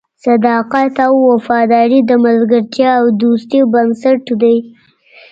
صداقت او وفاداري د ملګرتیا او دوستۍ بنسټ دی.